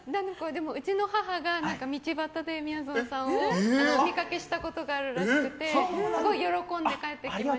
でも、うちの母が道端で、みやぞんさんをお見かけしたことがあるらしくてすごい喜んで帰ってきました。